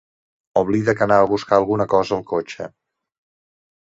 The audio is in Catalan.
Oblida que anava a buscar alguna cosa al cotxe.